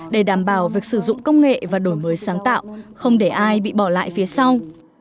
để đảm bảo việc sử dụng công nghệ và đổi mới sáng tạo không để ai bị bỏ lại phía sau